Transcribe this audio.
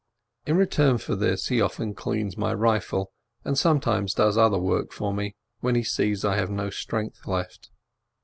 In return for this he often cleans my rifle, and sometimes does other work for me, when he sees I have no strength left.